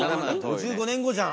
５５年後じゃん。